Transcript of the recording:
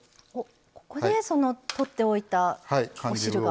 ここで、とっておいたお汁が。